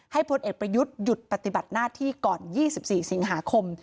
พลเอกประยุทธ์หยุดปฏิบัติหน้าที่ก่อน๒๔สิงหาคม